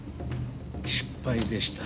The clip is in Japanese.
失敗でした。